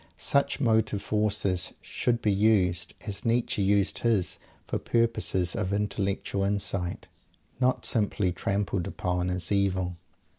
Such motive forces should be used, as Nietzsche used his, for purposes of intellectual insight not simply trampled upon as "evil."